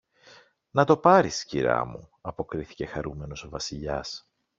Να το πάρεις, Κυρά μου, αποκρίθηκε χαρούμενος ο Βασιλιάς.